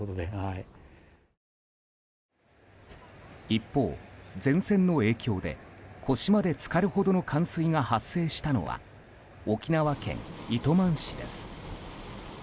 一方、前線の影響で腰まで浸かるほどの冠水が発生したのは沖縄県糸満市です。